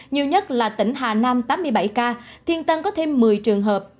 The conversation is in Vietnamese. nhiều nhất là tỉnh hà nam tám mươi bảy ca thiên tân có thêm một mươi trường hợp